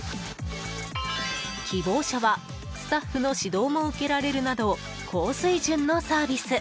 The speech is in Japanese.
希望者はスタッフの指導も受けられるなど高水準のサービス。